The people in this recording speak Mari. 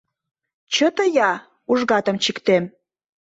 Чыте-я, ужгатым чиктем.